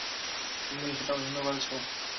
তুমি সেটা পছন্দ করেছ?